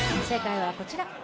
正解はこちら。